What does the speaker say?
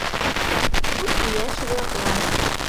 Куд ияш-влаклан!